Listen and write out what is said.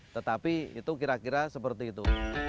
tetapi itu kira kira seperti itu